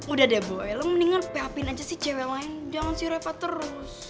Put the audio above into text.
udah deh boy lo mendingan phpin aja si cewek lain jangan si reva terus